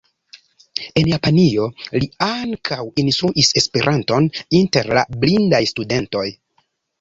En Japanio li ankaŭ instruis Esperanton inter la blindaj studentoj.